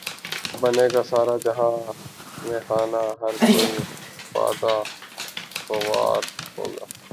بنے گا سارا جہان مے خانہ ہر کوئی بادہ خوار ہوگا